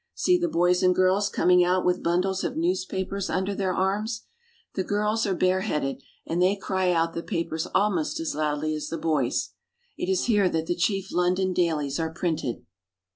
See the boys and girls coming out with bundles of newspapers under their arms. The girls are bareheaded, and they cry out the papers almost as loudly as the boys. It is here that the chief London dailies are printed.